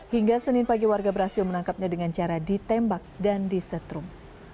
hingga senin pagi warga berhasil menangkapnya dengan cara ditembak dan disetrum